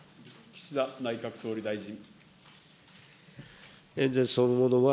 岸田内閣総理大臣。